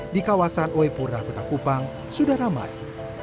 di kawasan uepurah petakupang sudah ramai